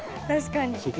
確かに。